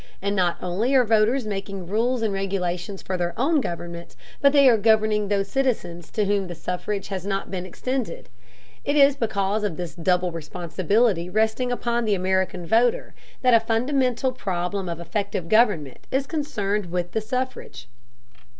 And not only are voters making rules and regulations for their own government, but they are governing those citizens to whom the suffrage has not been extended. It is because of this double responsibility resting upon the American voter that a fundamental problem of effective government is concerned with the suffrage.